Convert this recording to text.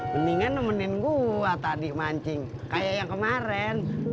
mendingan nemenin gua tadi mancing kayak yang kemarin